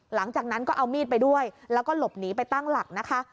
หลังจากนั้นก็เอามีดไปด้วยแล้วก็หลบหนีไปตั้งหลักนะคะ